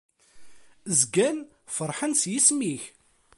Zgan ferḥen s yisem-ik.